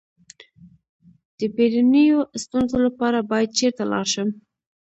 د بیړنیو ستونزو لپاره باید چیرته لاړ شم؟